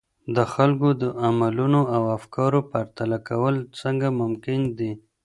د خلګو د عملونو او افکارو پرتله کول څنګه ممکن دي؟